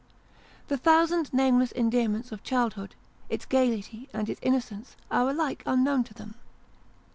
The thousand nameless endearments of childhood, its gaiety and its innocence, are alike unknown to them.